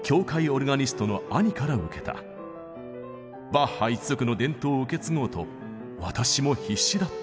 バッハ一族の伝統を受け継ごうと私も必死だった。